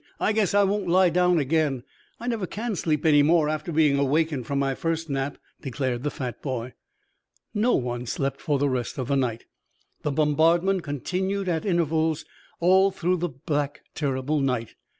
I guess I won't lie down again. I never can sleep any more after being awakened from my first nap," declared the fat boy. No one slept for the rest of the night. The bombardment continued at intervals all through the black, terrifying night.